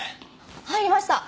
入りました！